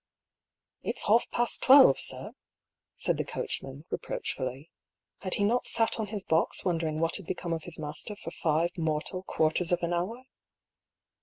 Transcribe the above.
"It's half past twelve, sir," said the coachman, re proachfully. Had he not sat on his box wondering what had become of his master for five mortal quarters of an hour?